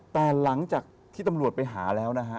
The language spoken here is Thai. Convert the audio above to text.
แต่หลังจากที่ตำรวจไปหาแล้วนะฮะ